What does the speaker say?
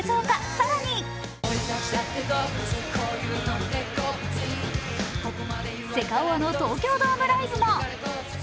更にセカオワの東京ドームライブも。